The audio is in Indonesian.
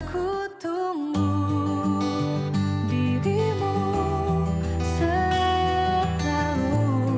kutunggu dirimu selalu